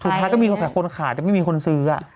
สุดท้ายก็มีแต่คนขายแต่ไม่มีคนซื้อ